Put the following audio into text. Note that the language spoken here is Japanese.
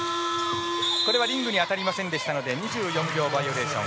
これはリングに当たりませんでしたので２４秒バイオレーション。